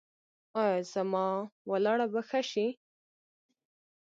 ایا زما ولاړه به ښه شي؟